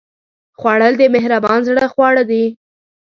خوړل د مهربان زړه خواړه دي